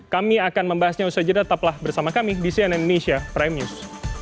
kami akan membahasnya usai jeda tetaplah bersama kami di cnn indonesia prime news